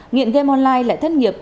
nghiện game online lại thất nghiệp